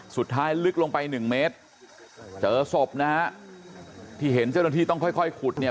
สุดท้ายลึกลงไปหนึ่งเมตรเจอศพนะฮะที่เห็นเจ้าหน้าที่ต้องค่อยค่อยขุดเนี่ย